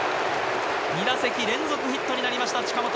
２打席連続ヒットになりました近本。